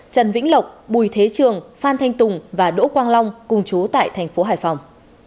trần vĩnh lộc bùi thế trường phan thanh tùng và đỗ quang long cùng chú tại tp hải phòng